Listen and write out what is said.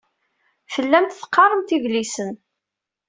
Tellamt teqqaremt idlisen.